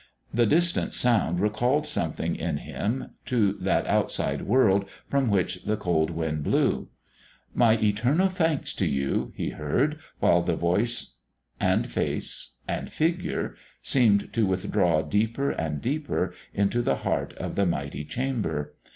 The distant sound recalled something in him to that outside world from which the cold wind blew. "My eternal thanks to you," he heard, while the voice and face and figure seemed to withdraw deeper and deeper into the heart of the mighty chamber.